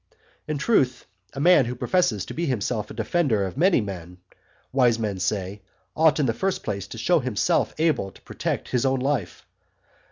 In truth, a man who professes to be himself a defender of many men, wise men say, ought in the first place to show himself able to protect his own life.